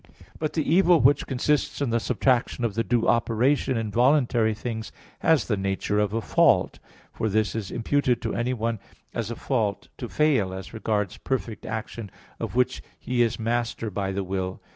But the evil which consists in the subtraction of the due operation in voluntary things has the nature of a fault; for this is imputed to anyone as a fault to fail as regards perfect action, of which he is master by the will.